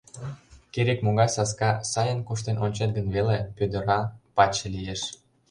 Керек-могай саска, сайын куштен ончет гын веле, пӧдыра, паче лиеш.